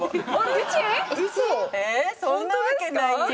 １？ええそんなわけないよ。